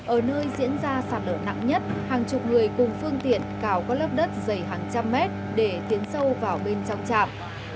ở nơi diễn ra sạt lở nặng nhất hàng chục người cùng phương tiện cào các lớp đất dày hàng trăm mét để tiến sâu vào bên trong trạm